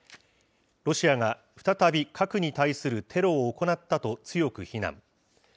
ロシアが再び核に対するテロを行ったと強く非難。